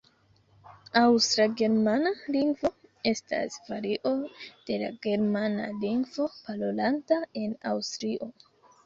Aŭstra-germana lingvo estas vario de la Germana lingvo parolata en Aŭstrio.